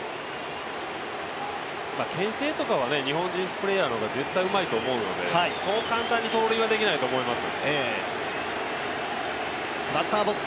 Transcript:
けん制とかは日本人プレーヤーの方が絶対にうまいと思うのでそう簡単に盗塁はできないと思います。